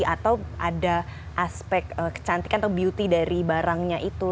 atau ada aspek kecantikan atau beauty dari barangnya itu